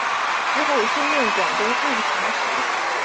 之后升任广东按察使。